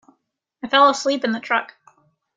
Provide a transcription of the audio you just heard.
I fell asleep in the truck.